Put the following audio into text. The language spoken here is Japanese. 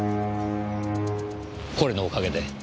これのおかげで。